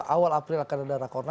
awal april akan ada rakorna